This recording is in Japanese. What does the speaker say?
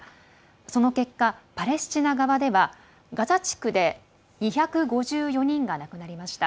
その結果、パレスチナ側ではガザ地区で２５４人が亡くなりました。